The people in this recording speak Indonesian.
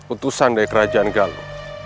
utusan dari kerajaan galuh